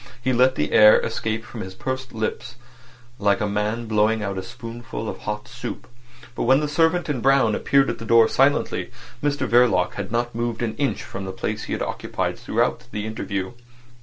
He let the air escape from his pursed up lips like a man blowing at a spoonful of hot soup. But when the servant in brown appeared at the door silently, Mr Verloc had not moved an inch from the place he had occupied throughout the interview.